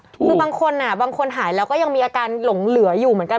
คือบางคนอ่ะบางคนหายแล้วก็ยังมีอาการหลงเหลืออยู่เหมือนกัน